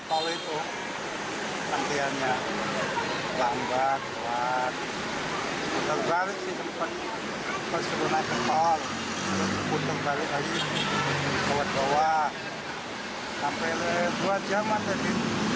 tol itu nantinya lambat buat bergaris tempat peseruna kepol butuh balik lagi ke bawah sampai